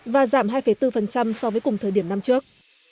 và giảm hai bốn so với cùng thời điểm năm trước